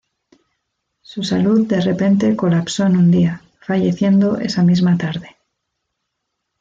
Su salud de repente colapsó en un día, falleciendo esa misma tarde.